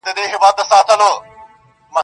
ماخو ستا غمونه ځوروي گلي .